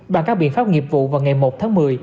bằng các biện pháp nghiệp vụ vào ngày một tháng một mươi